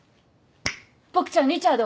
ボクちゃんリチャード。